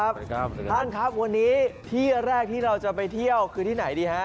ครับท่านครับวันนี้ที่แรกที่เราจะไปเที่ยวคือที่ไหนดีฮะ